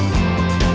aku bisa berkata kata